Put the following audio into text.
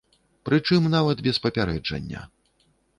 Прычым нават без папярэджання.